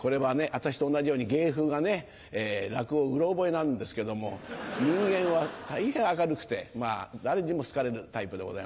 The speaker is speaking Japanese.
私と同じように芸風が落語うろ覚えなんですけども人間は大変明るくて誰にも好かれるタイプでございます。